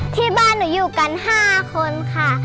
ที่บ้านหนูอยู่กัน๕คนค่ะ